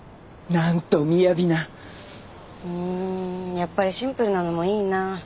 やっぱりシンプルなのもいいな。